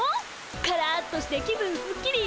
カラッとして気分すっきり。